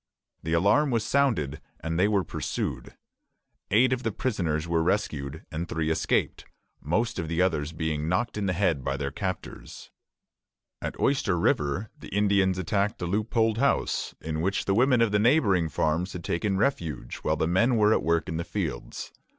The alarm was sounded, and they were pursued. Eight of the prisoners were rescued, and three escaped; most of the others being knocked in the head by their captors. At Oyster River the Indians attacked a loopholed house, in which the women of the neighboring farms had taken refuge while the men were at work in the fields.